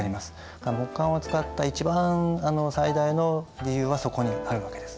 だから木簡を使った一番最大の理由はそこにあるわけです。